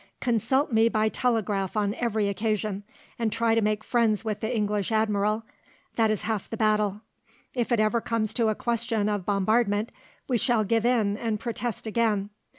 Consult me by telegraph on every occasion, and try to make friends with the English admiral; that is half the battle. If it ever comes to a question of bombardment, we shall give in and protest again.